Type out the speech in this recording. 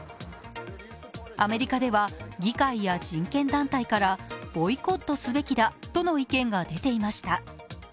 アメリカでは、議会や人権団体からボイコットすべきだとの意見が出ていました。